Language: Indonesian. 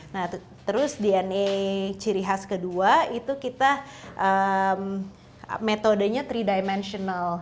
nah terus dna ciri khas kedua itu kita metodenya tiga diamentional